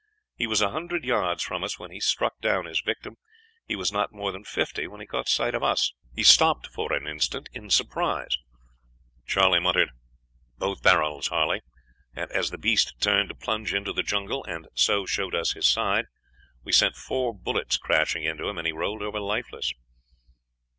He was a hundred yards from us when he struck down his victim; he was not more than fifty when he caught sight of us. He stopped for an instant in surprise. Charley muttered, 'Both barrels, Harley,' and as the beast turned to plunge into the jungle, and so showed us his side, we sent four bullets crashing into him, and he rolled over lifeless.